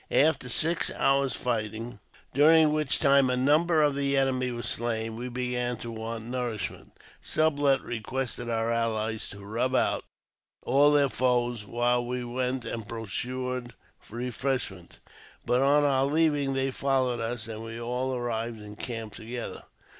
After six hours' fighting, during which time a number of the enemy were slain, we began to want nourishment. Sublet requested our allies " to rub out " all their foes while we went and procured refreshment ; but on our leaving, they followed us, and we all arrived in camp together.